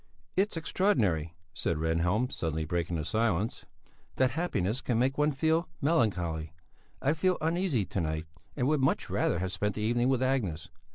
"It's extraordinary," said Rehnhjelm, suddenly breaking the silence, "that happiness can make one feel melancholy; I feel uneasy to night, and would much rather have spent the evening with Agnes.